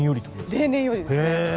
例年よりですね。